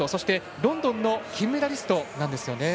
ロンドンの金メダリストなんです。